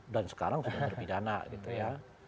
sekarang sudah terpidana gitu ya